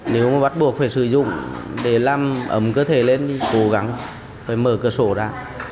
nếu mà bắt buộc phải sử dụng để làm ấm cơ thể lên thì cố gắng phải mở cửa sổ ra